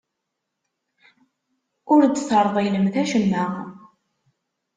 Ur d-terḍilem acemma.